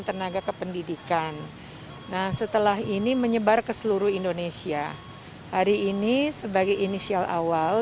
tenaga kependidikan nah setelah ini menyebar ke seluruh indonesia hari ini sebagai inisial awal